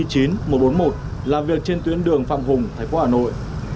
chốt công tác y chín một trăm bốn mươi một làm việc trên tuyến đường phạm hùng thái quốc hà nội